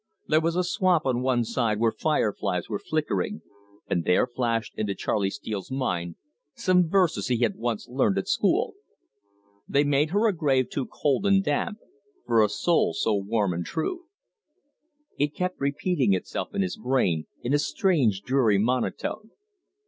There was a swamp on one side where fire flies were flickering, and there flashed into Charley Steele's mind some verses he had once learned at school: "They made her a grave too cold and damp For a soul so warm and true " It kept repeating itself in his brain in a strange dreary monotone.